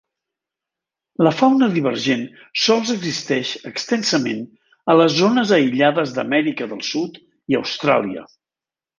La fauna divergent sols existeix extensament a las zones aïllades d'Amèrica del Sud i Austràlia.